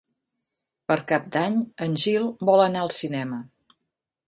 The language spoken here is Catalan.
Per Cap d'Any en Gil vol anar al cinema.